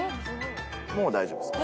もう大丈夫です。